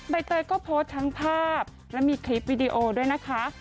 ใบเตยก็โพสต์ทั้งภาพและมีคลิปวิดีโอด้วยนะคะ